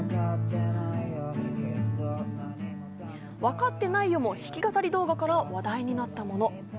『分かってないよ』も弾き語り動画から話題になったもの。